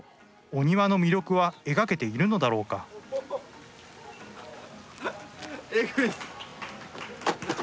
お庭の魅力は描けているのだろうかおおお。